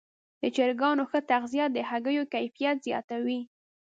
د چرګانو ښه تغذیه د هګیو کیفیت زیاتوي.